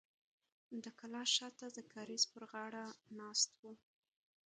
د کلا شاته د کاریز پر غاړه ناست و.